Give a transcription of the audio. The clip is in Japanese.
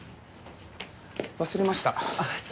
忘れました。